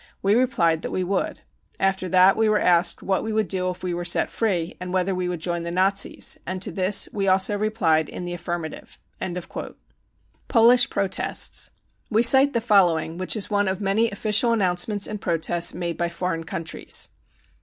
We replied that we would. After that we were asked what we would do if we were set free, and whether we would join the Nazis, and to this we also replied in the affirmative. 99 Polish Protests. We cite the following, which is one of many official announcements and protests made by foreign countries.